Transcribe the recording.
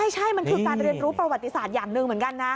ใช่มันคือการเรียนรู้ประวัติศาสตร์อย่างหนึ่งเหมือนกันนะ